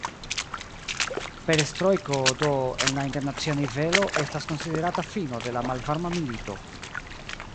Perestrojko do, en la internacia nivelo, estas konsiderata fino de la Malvarma milito.